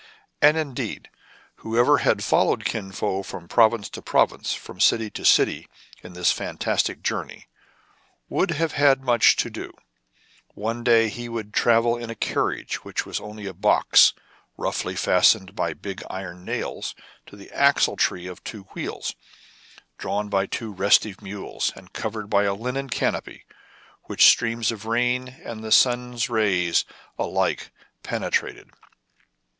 And, indeed, whoever had followed Kin Fo from province to province, from city to city, in this fan tastic journey, would have had much to do. One day he would travel in a carriage, which was only a box roughly fastened by big iron nails to the axletree of two wheels, drawn by two restive mules, and covered by a linen canopy, which streams of rain and the sun's rays alike penetrated.